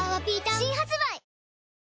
新発売